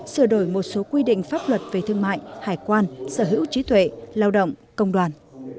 sửa đổi một số quy định pháp luật về thương mại hải quan sở hữu trí tuệ lao động công đoàn